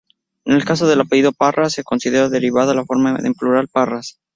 En el caso del apellido Parra se considera derivada la forma en plural Parras.